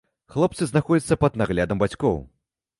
Хлопцы знаходзяцца пад наглядам бацькоў.